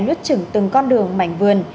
nứt trừng từng con đường mảnh vườn